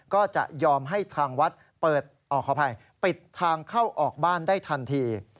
ก็จะยอมให้ทางวัดปิดทางเข้าออกบ้านได้ทันที